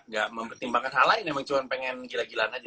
gak mempertimbangkan hal lain emang cuma pengen gila gilaan aja